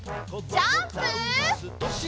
ジャンプ！